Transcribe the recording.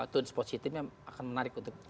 tunis positif yang akan menarik untuk